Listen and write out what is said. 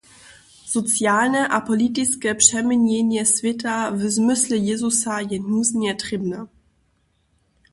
Socialne a politiske přeměnjenje swěta w zmysle Jězusa je nuznje trěbne.